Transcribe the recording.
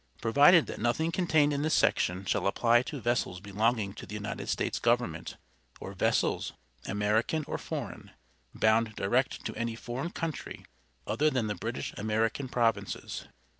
Provided that nothing contained in this section, shall apply to vessels belonging to the United States Government, or vessels, American or foreign, bound direct to any foreign country other than the British American Provinces.